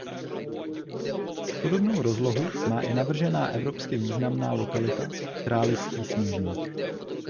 Podobnou rozlohu má i navržená evropsky významná lokalita Králický Sněžník.